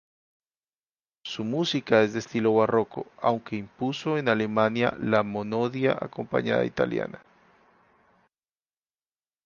Su música es de estilo barroco, aunque impuso en Alemania la monodia acompañada italiana.